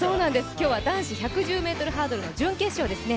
今日は男子１１０ｍハードルの準決勝ですね。